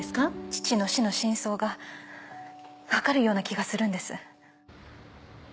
父の死の真相がわかるような気がするんです。